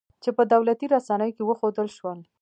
چې په دولتي رسنیو کې وښودل شول